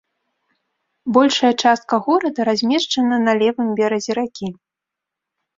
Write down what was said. Большая частка горада размешчана на левым беразе ракі.